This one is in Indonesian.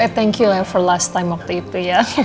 eh thank you lah for last time waktu itu ya